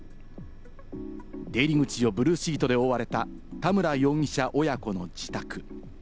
出入り口をブルーシートで覆われた田村容疑者親子の自宅。